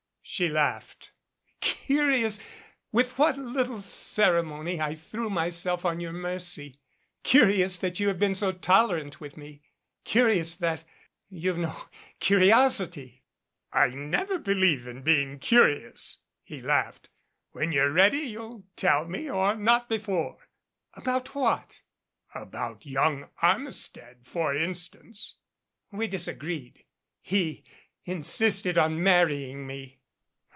She laughed. "Curious with what little ceremony I threw myself on your mercy; curious that you've been so tolerant with me; curious that you've no curiosity." "I never believe in being curious," he laughed. "When you're ready, you'll tell me and not before." "About what?" "About young Armistead, for instance." "We disagreed. He insisted on marrying me."